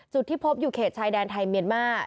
จุดที่พบอยู่เขตชายแดนไทยเมียนมาร์